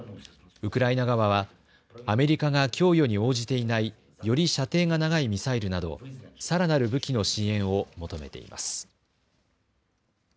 ウクライナ側はアメリカが供与に応じていないより射程が長いミサイルなどさらなる武器の支援を求めています。